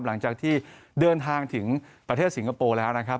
หลังจากที่เดินทางถึงประเทศสิงคโปร์แล้วนะครับ